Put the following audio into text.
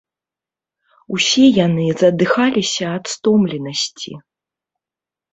Усе яны задыхаліся ад стомленасці.